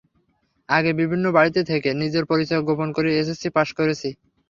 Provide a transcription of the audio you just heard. আগে বিভিন্ন বাড়িতে থেকে নিজের পরিচয় গোপন করে এসএসসি পাস করেছি।